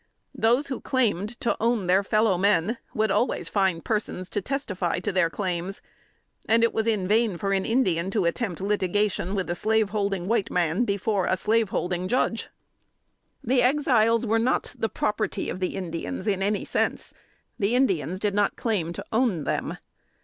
Those who claimed to own their fellow men, would always find persons to testify to their claims, and it was in vain for an Indian to attempt litigation with a slaveholding white man before a slaveholding Judge. The Exiles were not the property of the Indians in any sense. The Indians did not claim to own them.